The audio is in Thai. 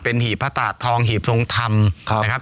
หีบพระตาทองหีบทรงธรรมนะครับ